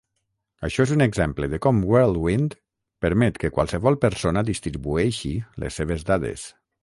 Això és un exemple de com World Wind permet que qualsevol persona distribueixi les seves dades.